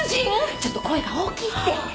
ちょっと声が大きいって。